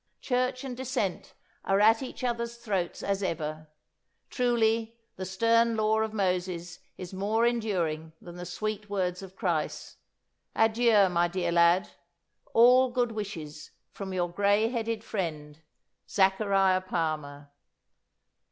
Church and Dissent are at each other's throats as ever. Truly the stern law of Moses is more enduring than the sweet words of Christ. Adieu, my dear lad! All good wishes from your grey headed friend, ZACHARIAH PALMER."